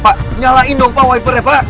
pak nyalain dong pak wipernya pak